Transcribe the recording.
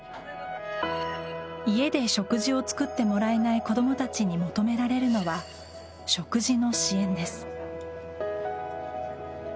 家で食事を作ってもらえない子供たちに求められるのは食事の支援です。